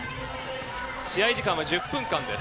試合時間は１０分間です。